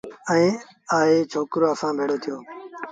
ائيٚݩ آئي ڇوڪري سآݩ ڀيڙو ٿيٚو